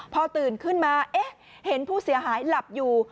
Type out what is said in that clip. พอตื่นขึ้นมาเอ๊ะเห็นผู้เสียหายหลับอยู่